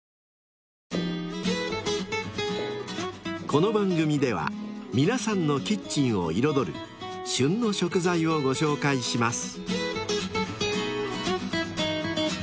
［この番組では皆さんのキッチンを彩る「旬の食材」をご紹介します］